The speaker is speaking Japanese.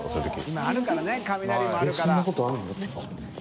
今あるからね雷もあるから。